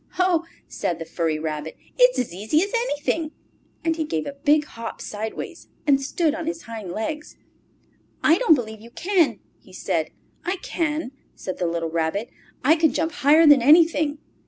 "Ho!" said the furry rabbit. "It's as easy as anything," And he gave a big hop sideways and stood on his hind legs. "I don't believe you can!" he said. "I can!" said the little Rabbit. "I can jump higher than anything!"